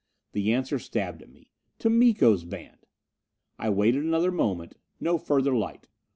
The answer stabbed at me: to Miko's band! I waited another moment. No further light.